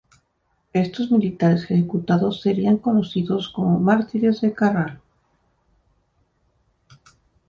Estos militares ejecutados serían conocidos como Mártires de Carral.